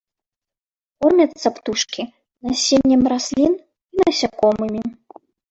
Кормяцца птушкі насеннем раслін і насякомымі.